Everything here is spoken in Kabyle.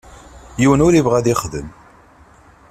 Yiwen ur yebɣi ad yexdem.